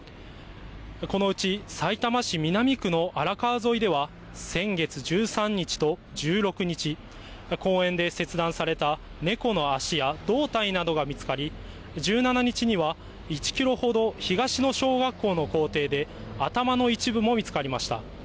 このうち、さいたま市南区の荒川沿いでは、先月１３日と１６日、公園で切断された猫の足や胴体などが見つかり、１７日には１キロほど東の小学校の校庭で、頭の一部も見つかりました。